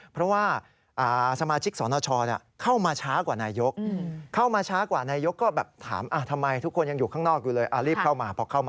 เพราะว่าสมาชิกสนชเข้ามาช้ากว่านายก